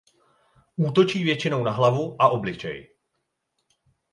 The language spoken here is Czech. Útočí většinou na hlavu a obličej.